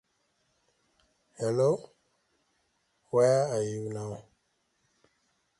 He served Principal Staff Officer to the Prime Minister of Bangladesh.